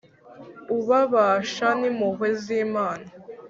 Ububasha n’impuhwe z’Imana